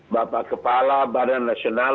bapak kepala badan nasional